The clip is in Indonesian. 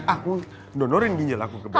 aku donorin ginjal aku ke bank